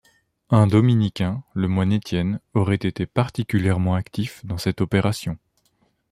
Un dominicain, le moine Etienne, aurait été particulièrement actif dans cette opération.